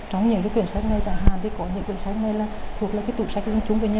trong những cái cuốn sách này tại hàn thì có những cuốn sách này